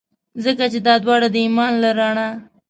ځکه چي دا داوړه د ایمان له رڼا.